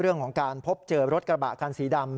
เรื่องของการพบเจอรถกระบะคันสีดำ